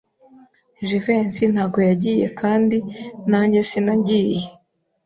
Jivency ntabwo yagiye kandi nanjye sinagiye.